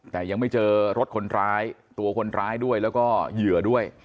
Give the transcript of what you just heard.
แต่ยังไม่เจอรถคนร้ายตัวคนร้ายด้วยแล้วก็เหยื่อด้วย